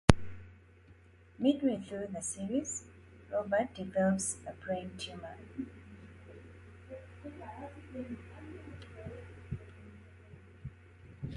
Midway through the series, Robert develops a brain tumor.